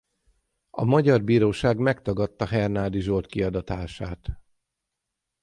A magyar bíróság megtagadta Hernádi Zsolt kiadatását.